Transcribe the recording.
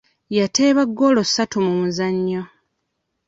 Yateeba ggoola ssatu mu muzannyo.